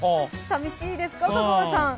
さみしいですか？